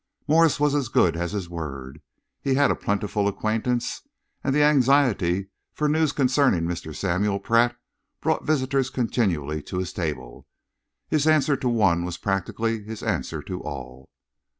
Morse was as good as his word. He had a plentiful acquaintance, and the anxiety for news concerning Mr. Samuel Pratt brought visitors continually to his table. His answer to one was practically his answer to all.